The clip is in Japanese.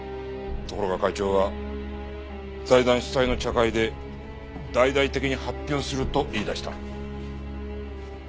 ところが会長は財団主催の茶会で大々的に発表すると言い出した。